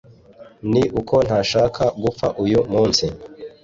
Ni uko ntashaka gupfa uyu munsi